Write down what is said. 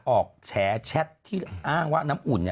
แฉแชทที่อ้างว่าน้ำอุ่น